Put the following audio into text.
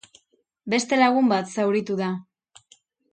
Beste lagun bat zauritu da.